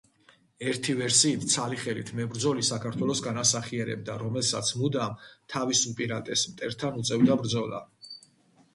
ერთი ვერსიით ცალი ხელით მებრძოლი საქართველოს განასახიერებდა, რომელსაც მუდამ თავის უპირატეს მტერთან უწევდა ბრძოლა.